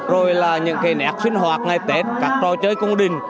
rồi là những cái nét sinh hoạt ngày tết các trò chơi công đình